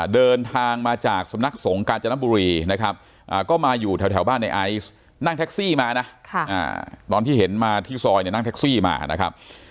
เดินทางมาจากสำนักสงฆ์กาญจนบุรีนะครับก็มาอยู่แถวบ้านในไอซ์นั่งแท็กซี่มานะตอนที่เห็นมาที่ซอยเนี่ยนั่งแท็กซี่มานะครับ